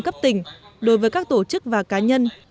cấp tỉnh đối với các tổ chức và cá nhân